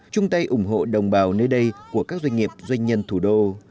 chung tay ủng hộ đồng bào nơi đây của các doanh nghiệp doanh nhân thủ đô